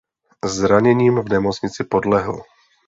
Zraněním v nemocnici podlehl.